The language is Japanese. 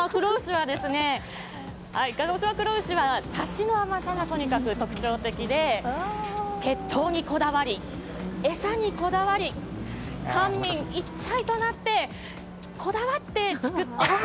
鹿児島黒牛はサシの甘さがとにかく特徴的で血統にこだわり餌にこだわり官民一体となって、こだわって作ってきました。